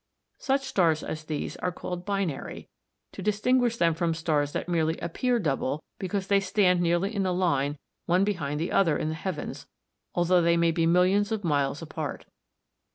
Such stars as these are called "binary," to distinguish them from stars that merely appear double because they stand nearly in a line one behind the other in the heavens, although they may be millions of miles apart.